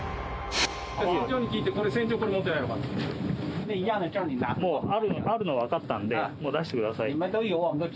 船長に聞いてこれ船長これ持ってないのかんでもう出してください